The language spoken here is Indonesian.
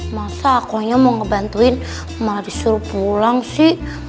masa akunya mau ngebantuin malah disuruh pulang sih